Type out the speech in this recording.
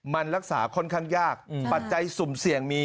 มันรักษาค่อนข้างยากปัจจัยสุ่มเสี่ยงมี